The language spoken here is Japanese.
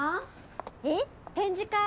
えっ展示会？